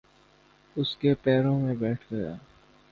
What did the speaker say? اس کے پیروں میں بیٹھ گیا۔